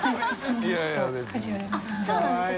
そうなんですね